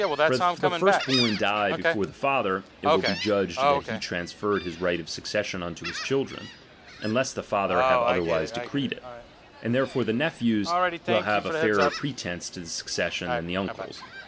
For if the first born die before ^eylSTmlv^'* the father, it will be judged that he transferred his '^^'""".^'" xight of successiou unto his children ; unless the father have otherwise decreed it. And therefore the nephews will have a fairer pretence to the suc cession, than the uncles.